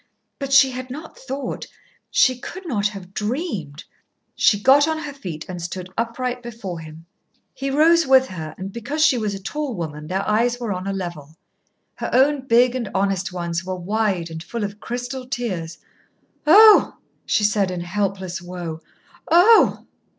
But she had not thought, she could not have dreamed She got on her feet and stood upright before him. He rose with her, and because she was a tall woman their eyes were on a level. Her own big and honest ones were wide and full of crystal tears. "Oh!" she said in helpless woe. "Oh!"